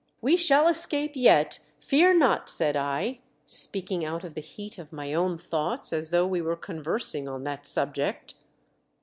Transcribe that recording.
"We shall escape yet — fear notl" said THE GALE BREAKS. 211 I, speaking out of the heat of my own thoughts as though we were conversing on that subject.